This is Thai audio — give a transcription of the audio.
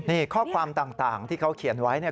นี่ข้อความต่างที่เขาเขียนไว้เนี่ย